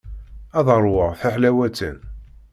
Ad ṛwuɣ tiḥlawatin.